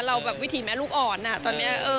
เราแบบวิถีแม่ลูกอ่อนตอนนี้